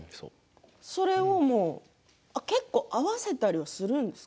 それを結構合わせたりはするんですか？